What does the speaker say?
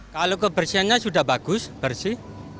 kalau kebersihannya sudah bagus bersih